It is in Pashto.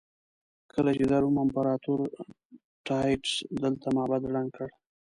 کله چې د روم امپراتور ټایټس دلته معبد ړنګ کړ.